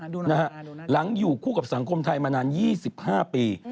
หลังอยู่คู่กับสังคมไทยมานาน๒๕ปี